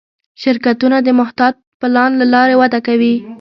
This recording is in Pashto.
شرکتونه د محتاط پلان له لارې وده کوي.